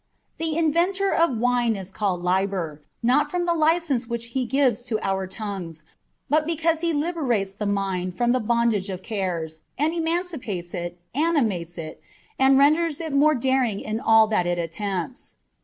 The inventor of wine is called Liber, not from the licence which he gives to our tongues, but because he liberates the mind from the bondage of cares, and emancipates it, ani mates it, and renders it more daring in all that it attempts.